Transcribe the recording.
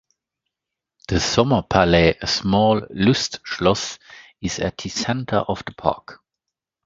The "Sommerpalais", a small Lustschloss is at the center of the park.